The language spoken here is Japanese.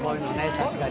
確かに。